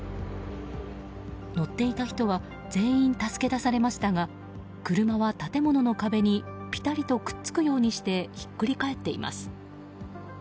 乗っていた人は全員助け出されましたが車は建物の壁にぴたりとくっつくようにしてひっくり返っています。